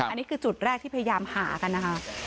อันนี้คือจุดแรกที่พยายามหากันนะคะ